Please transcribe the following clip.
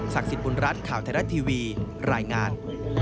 สิทธิ์บุญรัฐข่าวไทยรัฐทีวีรายงาน